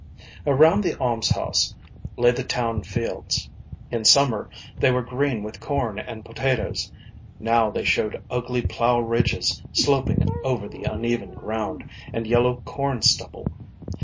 Around the almshouse lay the town fields. In summer they were green with corn and potatoes, now they showed ugly plough ridges sloping over the uneven ground, and yellow corn stubble.